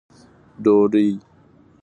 ډوډۍ